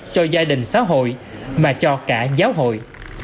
cho gia đình xã hội mà cho cả giáo hội